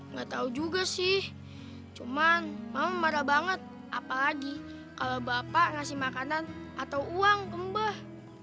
nggak tahu juga sih cuman mama marah banget apalagi kalau bapak ngasih makanan atau uang kembah